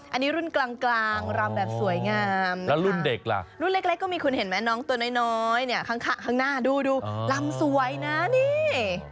อันนี้รุ่นกลางรำแบบสวยงามแล้วรุ่นเด็กล่ะรุ่นเล็กก็มีคุณเห็นไหมน้องตัวน้อยเนี่ยข้างหน้าดูดูรำสวยนะนี่